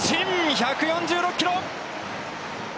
１４６キロ！